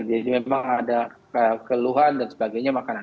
jadi memang ada keluhan dan sebagainya makanan